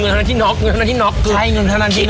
เงินเท่านั้นที่น็อคเงินเท่านั้นที่น็อคใช่เงินเท่านั้นที่น็อค